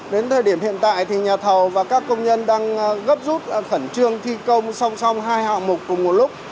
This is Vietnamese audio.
đến thời điểm hiện tại thì nhà thầu và các công nhân đang gấp rút khẩn trương thi công song song hai hạng mục cùng một lúc